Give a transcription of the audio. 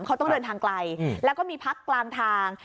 เขาต้องเดินทางไกลแล้วก็มีพักกลางทาง